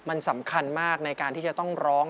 มันสำคัญมากในการที่จะต้องร้อง